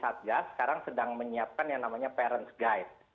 makanya kami di satgas sekarang sedang menyiapkan yang namanya parent guide